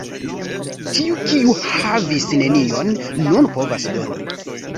Tiu, kiu havis nenion, nun povas doni.